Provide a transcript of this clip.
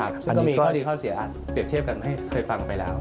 ซึ่งก็มีข้อดีข้อเสียอาจเกือบเทพกันให้เคยฟังไปแล้ว